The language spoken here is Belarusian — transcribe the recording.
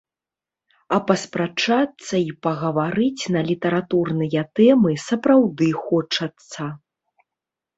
А паспрачацца і пагаварыць на літаратурныя тэмы сапраўды хочацца.